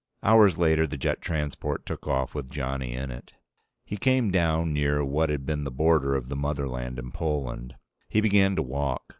Hours later, the jet transport took off with Johnny in it. He came down near what had been the border of the motherland and Poland. He began to walk.